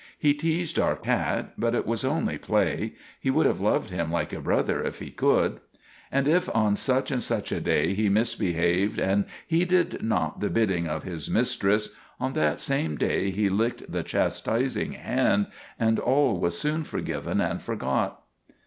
He teased our cat, but it was only play; he would have loved him like a brother if he could. And if on such and such a day he misbe haved and heeded not the bidding of his mistress, on that same day he licked the chastising hand, and all was soon forgiven and forgot.